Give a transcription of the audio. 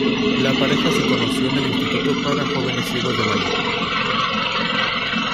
La pareja se conoció en el Instituto para jóvenes ciegos de Malí.